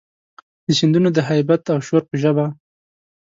د سیندونو د هیبت او شور په ژبه،